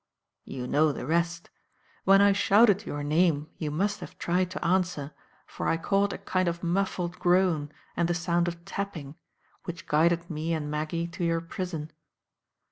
You know the rest. When I shouted your name you must have tried to answer, for I caught a kind of muffled groan and the sound of tapping, which guided me and Maggie to your prison.